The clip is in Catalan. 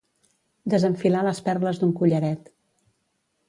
Desenfilar les perles d'un collaret.